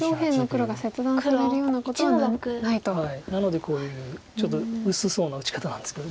なのでこういうちょっと薄そうな打ち方なんですけど。